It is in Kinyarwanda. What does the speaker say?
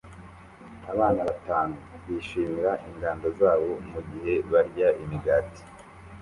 Abana batanu bishimira ingando zabo mugihe barya imigati